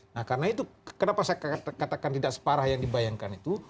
nah karena itu kenapa saya katakan tidak separah yang dibayangkan itu